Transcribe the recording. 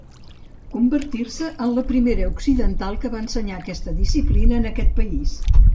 Convertint-se en la primera occidental que va ensenyar aquesta disciplina en aquest país.